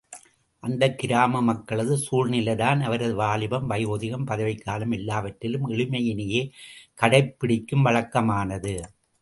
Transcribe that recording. அந்தக் கிராம மக்களது சூழ்நிலைதான், அவரது வாலிபம், வயோதிகம், பதவிக்காலம் எல்லாவற்றிலும் எளிமையினையே கடைப்பிடிக்கும் வழக்கமானது.